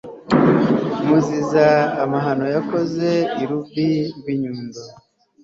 muziza amahano yakoze i rubi rw'i nyundo